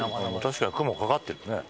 確かに雲かかってるね。